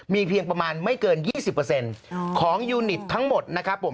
มีเพียงประมาณไม่เกิน๒๐ของยูนิตทั้งหมดนะครับผม